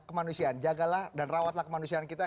kemanusiaan jagalah dan rawatlah kemanusiaan kita